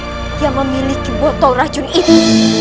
ada orang lain yang memiliki botol racun itu